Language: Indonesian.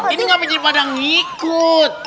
ini ngapain jadi pada ngikut